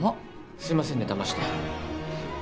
すいませんねだまして。